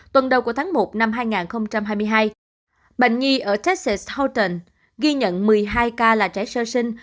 tuần đầu của tháng một năm hai nghìn hai mươi hai bệnh nhi ở tech houtan ghi nhận một mươi hai ca là trẻ sơ sinh